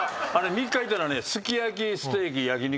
３日いたらねすき焼きステーキ焼き肉。